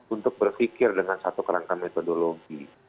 untuk berpikir dengan satu kerangka metodologi